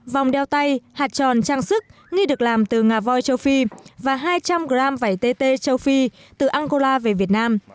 vòng đeo tay hạt tròn trang sức nghi được làm từ ngà voi châu phi và hai trăm linh gram vải tt châu phi từ angola về việt nam